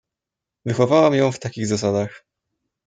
"Wychowałam ją w takich zasadach."